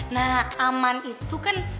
nah aman itu kan